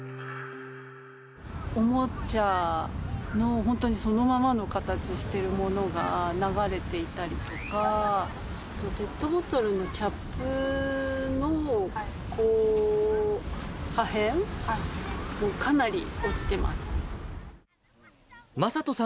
おもちゃの本当にそのままの形してるものが、流れていたりとか、ペットボトルのキャップのこう、破片、かなり落ちてます。